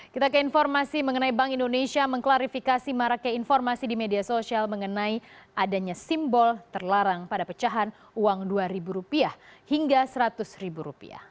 kita ke informasi mengenai bank indonesia mengklarifikasi marake informasi di media sosial mengenai adanya simbol terlarang pada pecahan uang dua ribu rupiah hingga seratus ribu rupiah